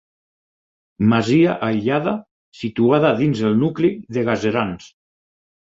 Masia aïllada situada dins el nucli de Gaserans.